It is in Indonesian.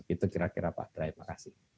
begitu kira kira pak dari terima kasih